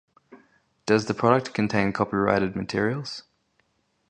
Does the product contain copyrighted materials?